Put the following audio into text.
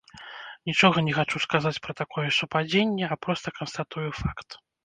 Нічога не хачу сказаць пра такое супадзенне, а проста канстатую факт.